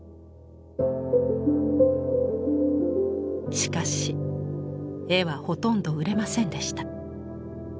しかし絵はほとんど売れませんでした。